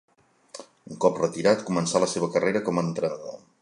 Un cop retirat començà la seva carrera com a entrenador.